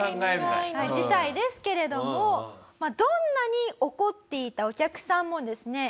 事態ですけれどもどんなに怒っていたお客さんもですね